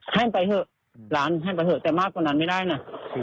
ให้มันไปเถอะร้านให้ไปเถอะแต่มากกว่านั้นไม่ได้นะ